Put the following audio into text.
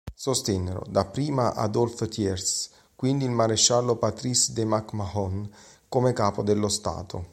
Sostennero dapprima Adolphe Thiers, quindi il maresciallo Patrice de Mac-Mahon come capo dello Stato.